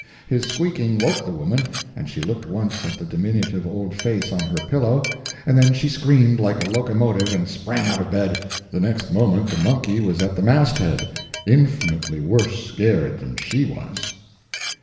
His squeaking woke the woman, and she looked once at the diminutive old face on her pillow, and then she screamed like a locomotive and sprang out of bed. The next moment the monkey was at the masthead, infinitely worse scared than she was.